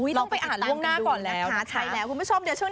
อุ้ยต้องไปอ่านล่างกันดูนะคะใช่แล้วคุณผู้ชม